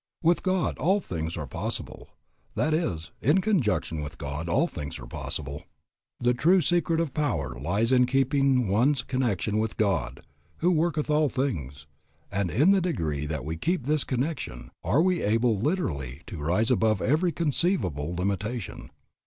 With God all things are possible, that is, in conjunction with God all things are possible. The true secret of power lies in keeping one's connection with the God who worketh all things; and in the degree that we keep this connection are we able literally to rise above every conceivable limitation.